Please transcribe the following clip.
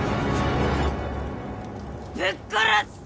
ぶっ殺す！